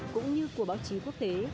cũng như của báo chí quốc tế